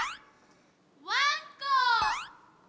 わんこ！